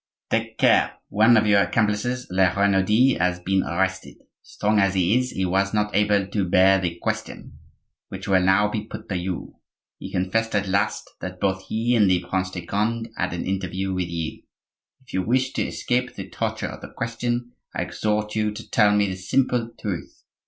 "Take care! one of your accomplices, La Renaudie, has been arrested. Strong as he is, he was not able to bear the 'question,' which will now be put to you; he confessed at last that both he and the Prince de Conde had an interview with you. If you wish to escape the torture of the question, I exhort you to tell me the simple truth.